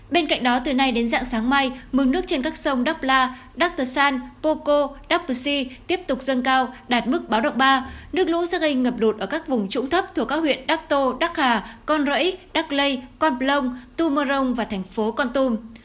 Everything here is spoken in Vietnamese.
bên cạnh đó từ nay đến dạng sáng mai mưa nước trên các sông đắc la đắc tờ san pô cô đắc bờ si tiếp tục dâng cao đạt mức báo động ba nước lũ sẽ gây ngập đột ở các vùng trũng thấp thuộc các huyện đắc tô đắc hà con rẫy đắc lây con plông tùm mơ rông và thành phố con tùm